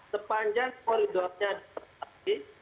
sepanjang koridornya diperlukan